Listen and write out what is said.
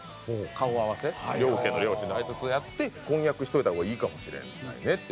顔合わせ両家の両親のあいさつをやって婚約しておいた方がいいかもしれないねって